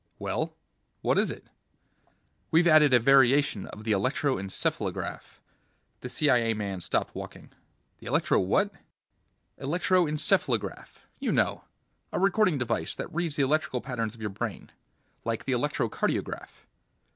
"Well, what is it?" "We've added a variation of the electro encephalograph ..." The CIA man stopped walking. "The electro what?" "Electro encephalograph. You know, a recording device that reads the electrical patterns of your brain. Like the electro cardiograph."